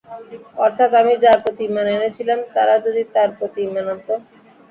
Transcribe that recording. অর্থাৎ আমি যার প্রতি ঈমান এনেছিলাম, তারা যদি তাঁর প্রতি ঈমান আনত।